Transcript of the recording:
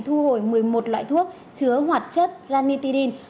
cơ sở nhập khẩu thuốc tiến hành thu hồi một mươi một loại thuốc chứa hoạt chất ranitidine